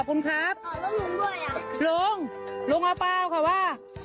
ลุงลุงเอาเปล่าค่ะว่า